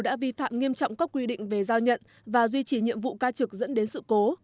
đã vi phạm nghiêm trọng các quy định về giao nhận và duy trì nhiệm vụ ca trực dẫn đến sự cố